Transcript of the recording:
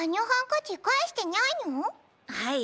はい。